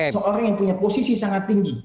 seorang yang punya posisi sangat tinggi